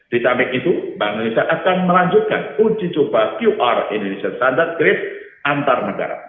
ditambik itu banesa akan melanjutkan uji coba qr indonesian standard grids antarmegara